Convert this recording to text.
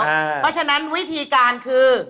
เพราะฉะนั้นวิธีการคือ